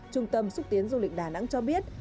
trung tâm xúc tiến du lịch đà nẵng cho biết